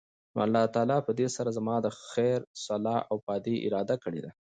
نو الله تعالی پدي سره زما د خير، صلاح او فائدي اراده کړي ده